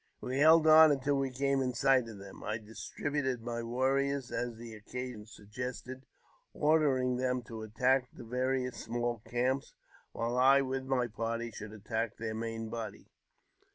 We held on until we came in sight of them. I distributed my warriors as the occasion suggested, ordering them to attach the various small camps, while I, with my party, should attack their main body.